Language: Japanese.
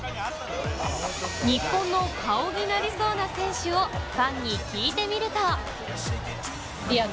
日本の顔になりそうな選手をファンに聞いてみると。